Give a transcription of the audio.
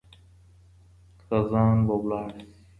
خزان به لاړ شي.